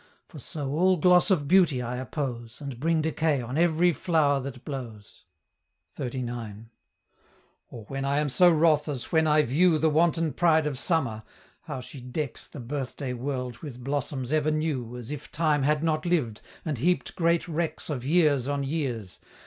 For so all gloss of beauty I oppose, And bring decay on every flow'r that blows." XXXIX. "Or when am I so wroth as when I view The wanton pride of Summer; how she decks The birthday world with blossoms ever new, As if Time had not lived, and heap'd great wrecks Of years on years?